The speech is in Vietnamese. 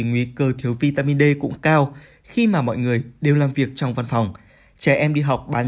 nguy cơ thiếu vitamin d cũng cao khi mà mọi người đều làm việc trong văn phòng trẻ em đi học bán